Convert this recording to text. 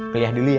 pilih dulu ya